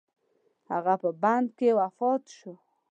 او هغه په بند کې وفات شو.